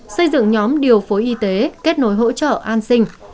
xây dựng nhóm điều phối y tế kết nối hỗ trợ an sinh